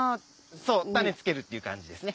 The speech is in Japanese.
そう種つけるっていう感じですね。